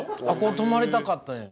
あっこ泊まりたかった。